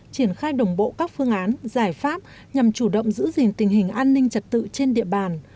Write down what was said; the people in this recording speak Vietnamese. triển khai đồng bộ các phương án giải pháp nhằm chủ động giữ gìn tình hình an ninh trật tự trên địa bàn